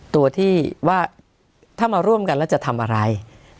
ตัวที่ว่าถ้ามาร่วมกันแล้วจะทำอะไร